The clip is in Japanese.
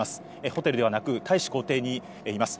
ホテルではなく、大使公邸にいます。